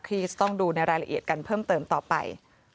ที่จะต้องดูในรายละเอียดกันเพิ่มเติมต่อไป